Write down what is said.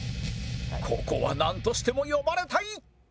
ここはなんとしても呼ばれたい！